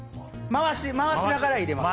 回しながら入れます。